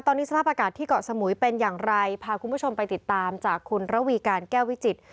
ตอนนี้สภาพอากาศที่เกาะสมุยเป็นอย่างไรพาคุณผู้ชมไปติดตามจากคุณระวีการแก้ววิจิตร